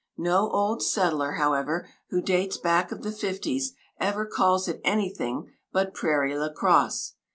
No old settler, however, who dates back of the fifties, ever calls it anything but "Prairie La Crosse."